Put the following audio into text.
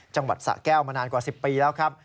จังหวัดสะแก้วมานานกว่า๑๐ปีแล้วครับ